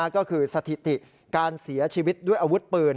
ก็คือสถิติการเสียชีวิตด้วยอาวุธปืน